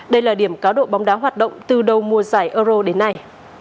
đây là điểm cáo độ bóng đá hoạt động từ đầu mùa giải euro đến nay